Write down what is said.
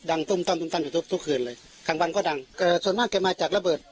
ตุ้มตั้มตุ้มตั้มอยู่ตุ๊บทุกคืนเลยกลางวันก็ดังเอ่อส่วนมากแกมาจากระเบิด